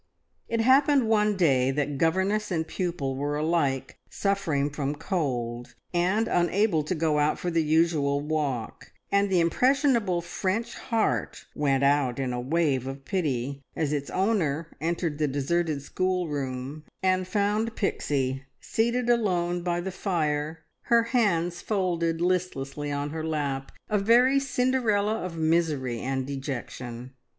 It happened one day that governess and pupil were alike suffering from cold and unable to go out for the usual walk, and the impressionable French heart went out in a wave of pity, as its owner entered the deserted schoolroom and found Pixie seated alone by the fire, her hands folded listlessly on her lap, a very Cinderella of misery and dejection.